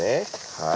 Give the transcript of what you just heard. はい。